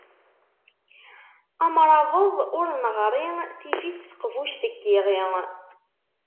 Amṛabeḍ ur neɣri, tif-it teqbuct n yiɣi.